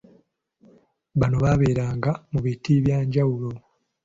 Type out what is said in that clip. Bano baabeeranga mu biti byanjawulo.